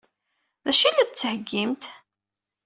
D acu i la s-d-tettheggimt?